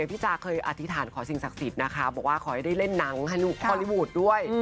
พี่จาเคยอธิษฐานขอสิ่งศักดิ์สิทธิ์นะคะบอกว่าขอให้ได้เล่นหนังให้ฮอลลี่วูดด้วย